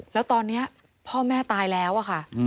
แล้วตอนนี้พ่อแม่ตายแล้วอะค่ะ